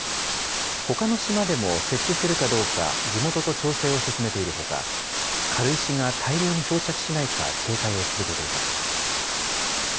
ほかの島でも設置するかどうか地元と調整を進めているほか、軽石が大量に漂着しないか警戒を続けています。